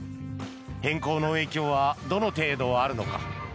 変更の影響はどの程度あるのか。